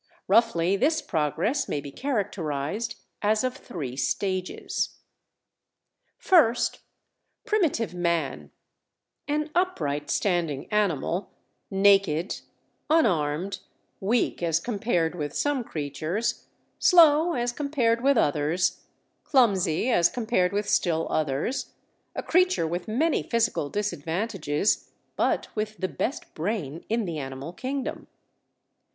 Roughly, this progress may be characterized as of three stages. First. Primitive man—an upright standing animal, naked, unarmed, weak as compared with some creatures, slow as compared with others, clumsy as compared with still others—a creature with many physical disadvantages, but with the best brain in the animal kingdom.